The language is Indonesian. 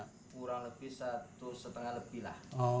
kurang lebih satu setengah lebih lah